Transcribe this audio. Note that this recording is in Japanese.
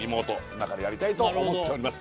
今からやりたいと思っております